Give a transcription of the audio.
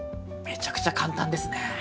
めちゃくちゃ簡単ですね。